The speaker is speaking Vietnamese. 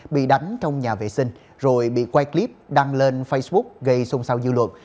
bị đánh trong nhà vệ sinh rồi bị quay clip đăng lên facebook gây xôn xao dư luận